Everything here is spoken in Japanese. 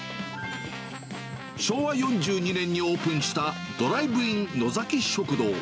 昭和４２年にオープンしたドライブインのざき食堂。